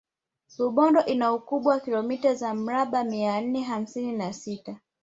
Rubondo ina ukubwa wa kilomita za mraba mia nne hamsini na sita